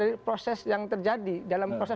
dalam proses perjuangan politik